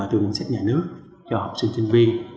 từ ngân sách nhà nước cho học sinh sinh viên